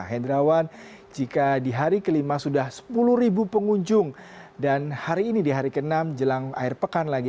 hendrawan jika di hari kelima sudah sepuluh pengunjung dan hari ini di hari ke enam jelang air pekan lagi